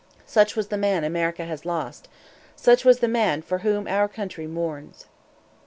"Such was the man America has lost! Such was the man for whom our country mourns!"